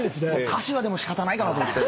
歌詞はでも仕方ないかなと思って。